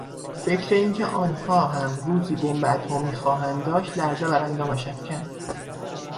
فکر اینکه آنها هم روزی بمب اتمی خواهند داشت لرزه بر اندامش افکند.